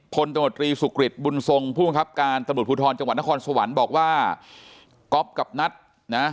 ตมตรีสุกริตบุญทรงผู้บังคับการตำรวจภูทรจังหวัดนครสวรรค์บอกว่าก๊อฟกับนัทนะ